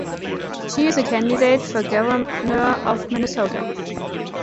She is a candidate for Governor of Minnesota.